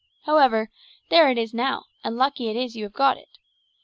However, there it is now, and lucky it is you have got it.